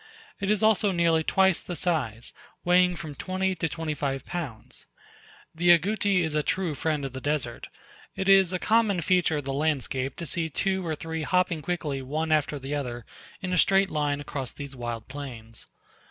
It is also nearly twice the size, weighing from twenty to twenty five pounds. The Agouti is a true friend of the desert; it is a common feature of the landscape to see two or three hopping quickly one after the other in a straight line across these wild plains.